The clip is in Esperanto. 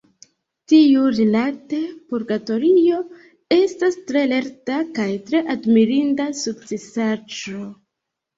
Tiurilate, Purgatorio estas tre lerta kaj tre admirinda sukcesaĵo.